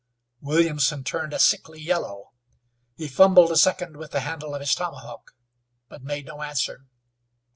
Williamson turned a sickly yellow; he fumbled a second with the handle of his tomahawk, but made no answer.